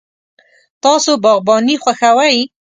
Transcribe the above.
تاسو باغباني خوښوئ؟